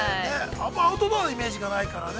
あんまりアウトドアのイメージがないからね。